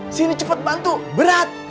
aku mau cepat bantu berat